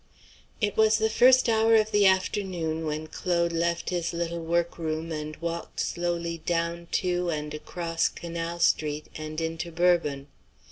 It was the first hour of the afternoon when Claude left his little workroom and walked slowly down to, and across, Canal Street and into Bourbon.